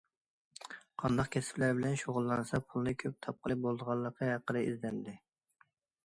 قانداق كەسىپلەر بىلەن شۇغۇللانسا پۇلنى كۆپ تاپقىلى بولىدىغانلىقى ھەققىدە ئىزدەندى.